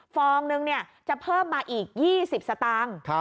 ฟองนึงจะเพิ่มมาอีก๒๐สตางค์